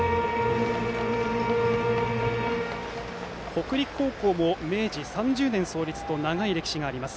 北陸高校も明治３０年創立と長い歴史があります。